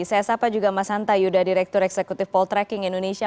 saya sapa juga mas hanta yuda direktur eksekutif poltreking indonesia